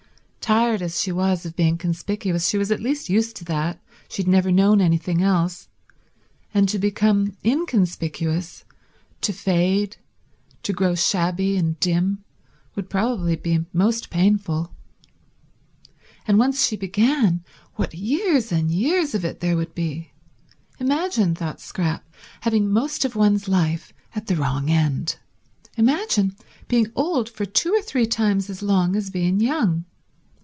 Tired as she was of being conspicuous she was at least used to that, she had never known anything else; and to become inconspicuous, to fade, to grow shabby and dim, would probably be most painful. And once she began, what years and years of it there would be! Imagine, thought Scrap, having most of one's life at the wrong end. Imagine being old for two or three times as long as being young.